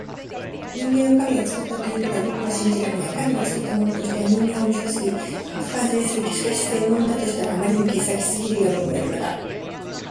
人間は神が創ったということは僕は信じられない。神が創ったものとしては人間は無情すぎ、不完全すぎる。しかし自然が生んだとしたら、あまりに傑作すぎるように思えるのだ。